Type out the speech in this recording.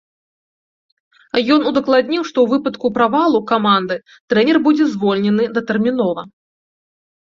Ён удакладніў, што ў выпадку правалу каманды трэнер будзе звольнены датэрмінова.